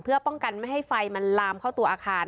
เพื่อป้องกันไม่ให้ไฟมันลามเข้าตัวอาคาร